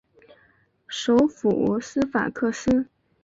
首府斯法克斯。